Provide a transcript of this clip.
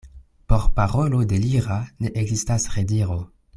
Por parolo delira ne ekzistas rediro.